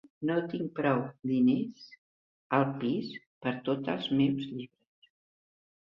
No tinc prou diners al pis per a tots els meus llibres.